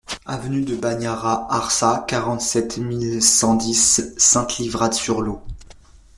Avenue de Bagnaria Arsa, quarante-sept mille cent dix Sainte-Livrade-sur-Lot